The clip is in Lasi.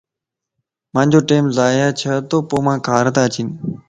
مانجو ٽيم ضائع ڇتوپومانک کارتا اچين